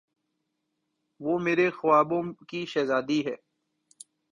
وہ میرے خوابوں کی شہزادی ہے۔